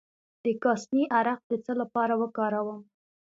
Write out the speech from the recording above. د کاسني عرق د څه لپاره وکاروم؟